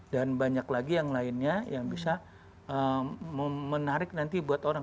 dan banyak lagi yang lainnya yang bisa menarik nanti buat orang